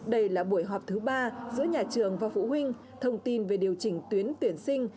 đây là buổi họp thứ ba giữa nhà trường và phụ huynh thông tin về điều chỉnh tuyến tuyển sinh